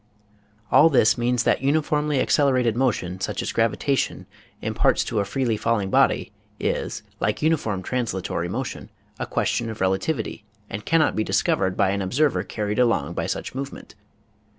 All this means that uniformly accelerated motion, such as gravitation imparts to a freely falling body, is, like uniform translatory motion, a question of rela tivity and cannot be discovered by an observer carried along by such movement.